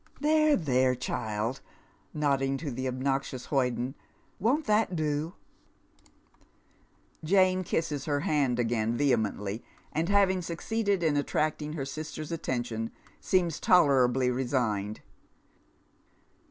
There, there, child," nodding to the obnoxi ous hoyden ;" won't that do ?" Jane kisses her hand again vehemently, and having succeeded m attracting her sister's attention, seems tolerably resigned.